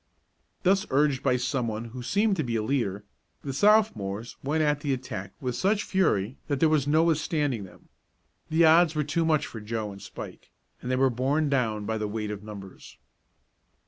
Thus urged by someone who seemed to be a leader, the Sophomores went at the attack with such fury that there was no withstanding them. The odds were too much for Joe and Spike, and they were borne down by the weight of numbers.